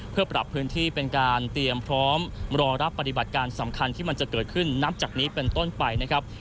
เพื่อปรับพื้นที่เป็นการเตรียมพร้อมรอรับปฏิบัติการสำคัญที่มันจะเกิดขึ้นนับจากนี้เป็นต้นไปนะครับ